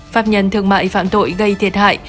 pháp nhân thương mại phạm tội gây thiệt hại